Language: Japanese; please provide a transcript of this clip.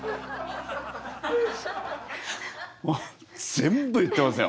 全部言ってますよ。